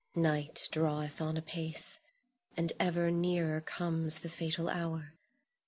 Night draweth on apace, and ever nearer comes the fatal hour.